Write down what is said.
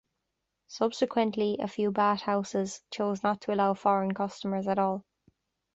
Subsequently, a few bath houses chose not to allow foreign customers at all.